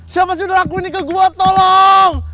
siapa sih udah lakuin ini ke gue tolong